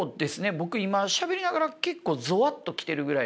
僕今しゃべりながら結構ゾワッと来てるぐらいなので。